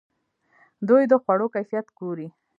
دوی د خوړو کیفیت ګوري.